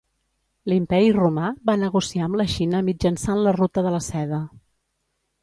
L'Imperi Romà va negociar amb la Xina mitjançant la Ruta de la Seda.